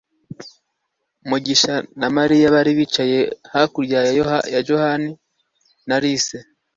mugisha na mariya bari bicaye hakurya ya john na alice